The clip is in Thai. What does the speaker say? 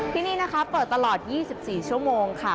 ที่นี่นะคะเปิดตลอด๒๔ชั่วโมงค่ะ